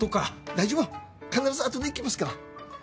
大丈夫必ず後で行きますから。